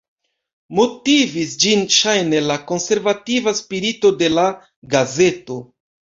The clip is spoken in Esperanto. Motivis ĝin ŝajne la konservativa spirito de la gazeto.